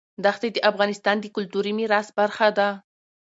دښتې د افغانستان د کلتوري میراث برخه ده.